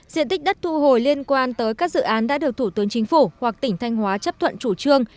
diện tích đất thu hồi liên quan tới các dự án đã được thủ tướng chính phủ hoặc tỉnh thanh hóa chấp thuận chủ trương